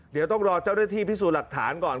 เดี๋ยวต้องรอเจ้าหน้าที่พิสูจน์หลักฐานก่อน